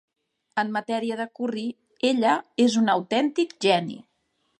En matèria de curri, ella és un autèntic geni.